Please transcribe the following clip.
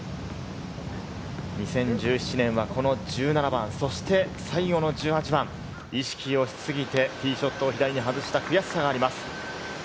２０１７年はこの１７番、そして最後の１８番、意識をしすぎてティーショットを左に外した悔しさがあります。